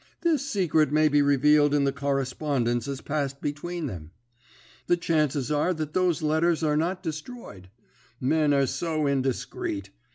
This secret may be revealed in the correspondence as passed between them. The chances are that those letters are not destroyed. Men are so indiscreet!